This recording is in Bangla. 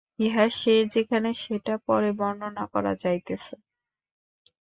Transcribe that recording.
ইহার শেষ যেখানে সেটা পরে বর্ণনা করা যাইতেছে।